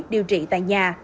điều trị tại nhà